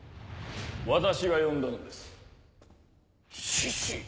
・私が呼んだのです・肆氏！